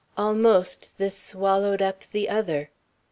Almost this swallowed up the other.